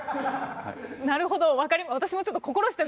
なるほど。